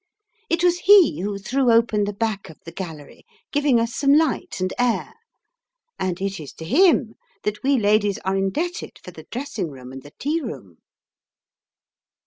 It was he who threw open the back of the Gallery, giving us some light and air, and it is to him that we ladies are indebted for the dressing room and the tea room.